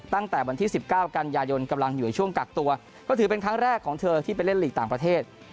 ตั้งแต่วันที่๑๙กันยายนกำลังอยู่ในช่วงกักตัวก็ถือเป็นครั้งแรกของเธอที่ไปเล่นหลีกต่างประเทศ